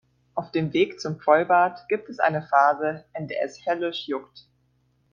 Auf dem Weg zum Vollbart gibt es eine Phase, in der es höllisch juckt.